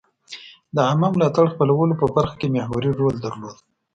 د عامه ملاتړ خپلولو په برخه کې محوري رول درلود.